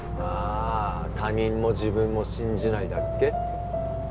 あ他人も自分も信じないだっけ？